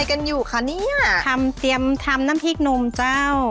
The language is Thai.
สวัสดีครับสวัสดีเจ้า